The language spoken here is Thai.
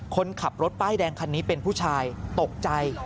คนขับรถป้ายแดงคันนี้เป็นผู้ชายตกใจ